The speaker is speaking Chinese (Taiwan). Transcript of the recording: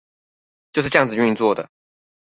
就是這樣子運作的